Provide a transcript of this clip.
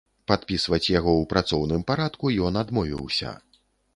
Падпісваць яго ў працоўным парадку ён адмовіўся.